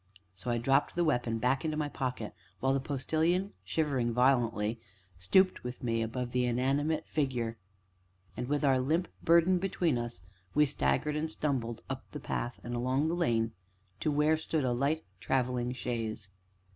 So I dropped the weapon back into my pocket while the Postilion, shivering violently, stooped with me above the inanimate figure, and, with our limp burden between us, we staggered and stumbled up the path, and along the lane to where stood a light traveling chaise.